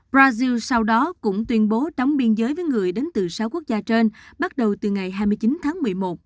brazil sau đó cũng tuyên bố đóng biên giới với người đến từ sáu quốc gia trên bắt đầu từ ngày hai mươi chín tháng một mươi một